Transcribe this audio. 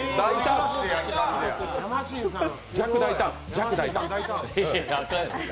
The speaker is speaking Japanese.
弱大胆。